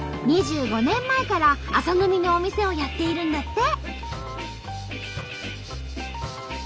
２５年前から朝飲みのお店をやっているんだって！